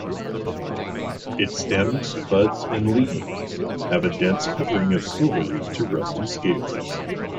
Its stems, buds, and leaves have a dense covering of silvery to rusty scales.